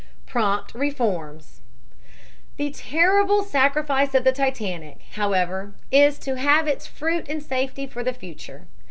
PROMPT REFORMS The terrible sacrifice of the Titanic, however, is to have its fruit in safety for the future.